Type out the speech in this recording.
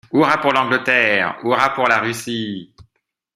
Hurrah pour l’Angleterre ! hurrah pour la Russie !